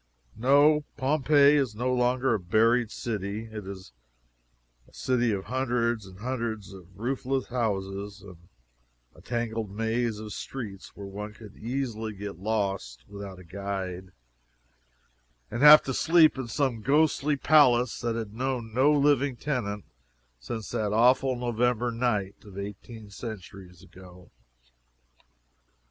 No Pompeii is no longer a buried city. It is a city of hundreds and hundreds of roofless houses, and a tangled maze of streets where one could easily get lost, without a guide, and have to sleep in some ghostly palace that had known no living tenant since that awful November night of eighteen centuries ago.